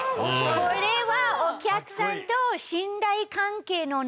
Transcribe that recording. これは。